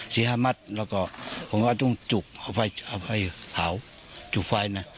สี่ห้ามัดแล้วก็ผมก็ต้องจุกเอาไปเผาจุดไฟนะ